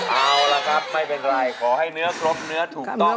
เอาล่ะครับไม่เป็นไรขอให้เนื้อครบเนื้อถูกต้อง